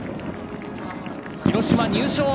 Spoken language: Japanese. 広島、入賞。